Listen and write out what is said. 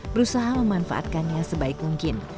berusaha memanfaatkannya sebaik mungkin